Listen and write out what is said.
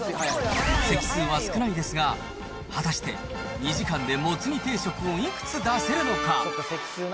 席数は少ないですが、果たして２時間でもつ煮定食をいくつ出せるのか。